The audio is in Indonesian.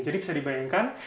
jadi bisa dibayangkan